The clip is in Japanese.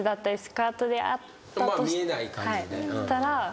見えない感じで。